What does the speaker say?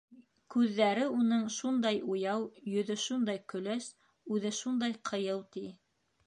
Күҙҙәре уның шундай уяу, йөҙө шундай көләс, үҙе шундай ҡыйыу, ти.